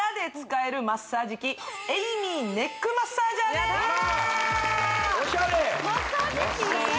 エイミーネックマッサージャーでーすオシャレ！